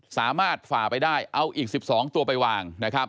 ฝ่าไปได้เอาอีก๑๒ตัวไปวาง